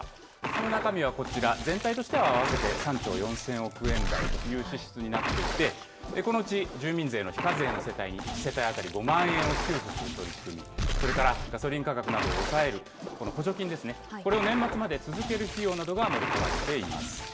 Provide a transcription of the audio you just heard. その中身はこちら、全体としては合わせて３兆４０００億円台という支出になっていて、このうち住民税が非課税の世帯に１世帯当たり５万円を給付する取り組み、それからガソリン価格などを抑える、この補助金ですね、これを年末まで続ける費用などが盛り込まれています。